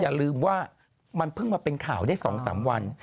อย่าลืมว่ามันเพิ่งมาเป็นข่าวได้๒๓วัน